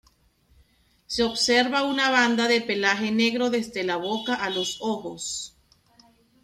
Se observa una banda de pelaje negro desde la boca a los ojos.